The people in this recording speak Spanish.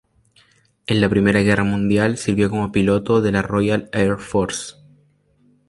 En la Primera Guerra Mundial sirvió como piloto de la Royal Air Force.